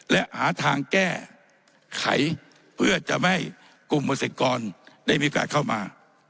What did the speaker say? และหาทางแก้ไขเพื่อจะไม่กลุ่มเกษตรกรได้มีโอกาสเข้ามา